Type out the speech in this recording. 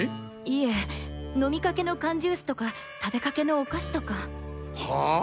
いえ飲みかけの缶ジュースとか食べかけのお菓子とか。は？